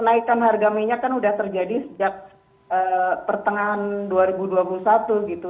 kenaikan harga minyak kan sudah terjadi sejak pertengahan dua ribu dua puluh satu gitu